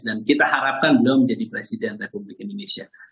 dan kita harapkan belum menjadi presiden republik indonesia